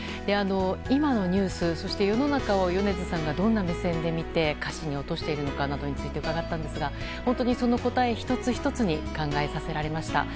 今のニュース、そして世の中を米津さんがどんな目線で見て歌詞に落としているのかなどについて伺ったんですが本当にその答え１つ１つに考えさせられました。